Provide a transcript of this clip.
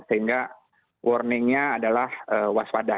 sehingga warning nya adalah waspada